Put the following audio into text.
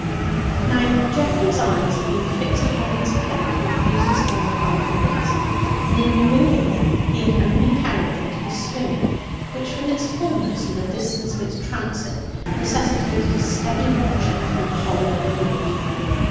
Now Geoffrey's eyes had been fixed upon his plate for the previous four or five minutes, and in removing them he had only carried them to the spoon, which, from its fulness and the distance of its transit, necessitated a steady watching through the whole of the route.